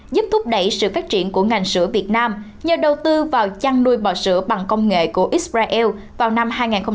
giúp thúc đẩy sự phát triển của ngành sữa việt nam nhờ đầu tư vào chăn nuôi bò sữa bằng công nghệ của israel vào năm hai nghìn hai mươi